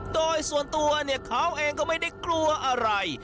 โดยส่วนตัวเนี่ยเขาเองก็ไม่ได้กลัวอะไร